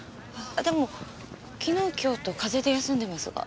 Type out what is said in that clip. でも昨日今日と風邪で休んでますが。